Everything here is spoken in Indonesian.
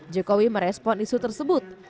jokowi merespon isu tersebut